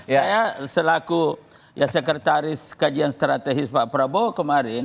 saya selaku sekretaris kajian strategis pak prabowo kemarin